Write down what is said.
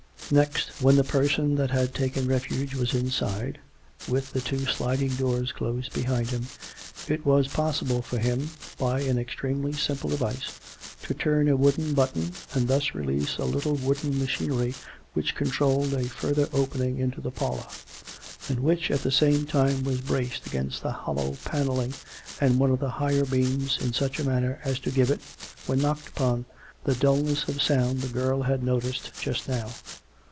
Next, when the person COME RACK! COME ROPE! 203 that had taken refuge was inside, with the two sliding doors closed behind him, it was possible for him, by an extremely simple device, to turn a wooden button and thus release a little wooden machinery which controlled a further opening into the parlour, and which, at the same time, was braced against the hollow panelling and one of the higher beaiiis in such a manner as to give it, when knocked upon, the dullness of sound the girl had noticed just now.